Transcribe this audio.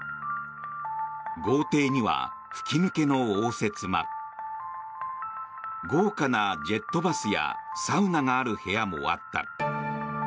豪邸には吹き抜けの応接間豪華なジェットバスやサウナがある部屋もあった。